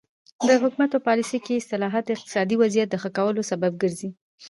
د حکومت په پالیسۍ کې اصلاحات د اقتصادي وضعیت د ښه کولو سبب ګرځي.